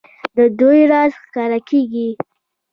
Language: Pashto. د دوی راز ښکاره کېږي.